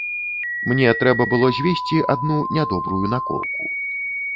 Мне трэба было звесці адну нядобрую наколку.